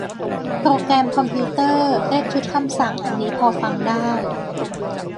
โปรแกรมคอมพิวเตอร์ เรียกชุดคำสั่ง อันนี้พอฟังได้